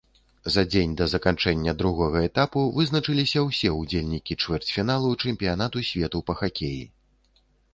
За дзень да заканчэння другога этапу вызначыліся ўсе ўдзельнікі чвэрцьфіналу чэмпіянату свету па хакеі.